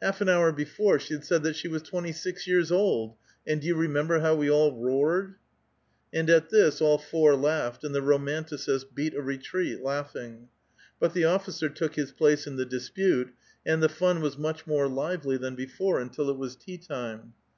Half an hour before she had said that she was twenty six years old, and do you remembei how we all roared?" And at this all four laughed, and the romanticist beat a retreat, laughing. But the officer took his place in the dispute, and the fun was much more lively than before until it was tea time.